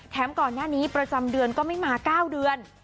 ก่อนหน้านี้ประจำเดือนก็ไม่มา๙เดือน